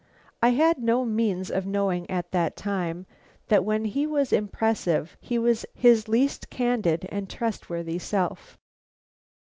I had no means of knowing at that time that when he was impressive he was his least candid and trustworthy self.